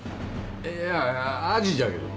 いやアジじゃけど。